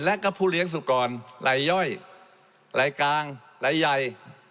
และก็ผู้เลี้ยงสุกรรายย่อยลายกลางรายใหญ่